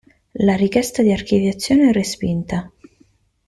La richiesta di archiviazione è respinta.